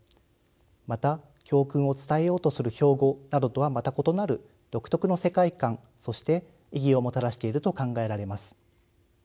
また教訓を伝えようとする標語などとはまた異なる独特の世界感そして意義をもたらしていると考えられます。